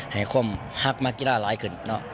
เห็นความหักมกีฬ้าร้ายขึ้นเนาะ